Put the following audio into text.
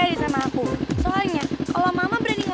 itu mama kamu kan sih